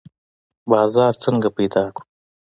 بازار څنګه پیدا کړو؟